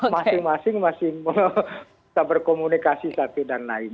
masing masing masih berkomunikasi tapi dan lain lain